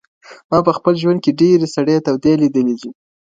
ما په خپل ژوند کي ډېرې سړې تودې ليدلي دي.